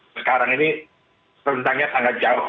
sekarang ini rentangnya sangat jauh